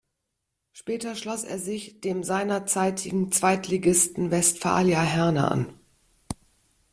Später schloss er sich dem seinerzeitigen Zweitligisten Westfalia Herne an.